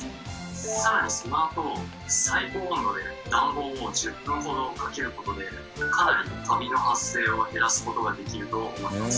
さらにそのあと最高温度で暖房を１０分ほどかける事でかなりカビの発生を減らす事ができると思います。